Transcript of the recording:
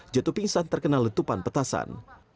jatuh pingsan terkena letupan petasan